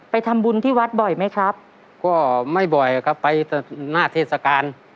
ทำบุญที่วัดบ่อยไหมครับก็ไม่บ่อยครับไปหน้าเทศกาล